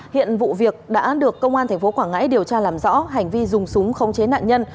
hiện vụ việc đã được công an tp quảng ngãi điều tra làm rõ hành vi dùng súng khống chế nạn nhân